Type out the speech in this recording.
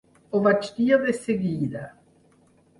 Ho vaig dir de seguida.